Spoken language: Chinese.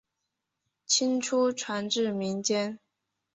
清初传至民间。